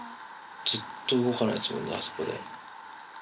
ずっと動かないですもんね、あそこで。